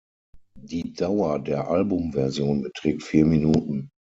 Die Dauer der Albumversion beträgt vier Minuten.